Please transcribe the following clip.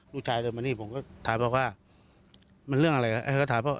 ลูกชายเดินมานี่ผมก็ถามเขาว่ามันเรื่องอะไรแล้วก็ถามเขา